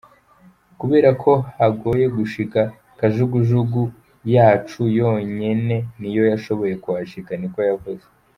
"Kubera ko hagoye gushika, kajugujugu yacu yonyene niyo yashoboye kuhashika", niko yavuze.